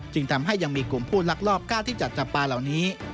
ทำให้ยังมีกลุ่มผู้ลักลอบกล้าที่จะจับปลาเหล่านี้